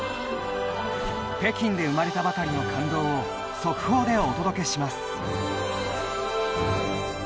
北京で生まれたばかりの感動を速報でお届けします。